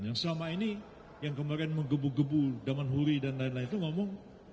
yang selama ini yang kemarin menggebu gebu zaman huri dan lain lain itu ngomong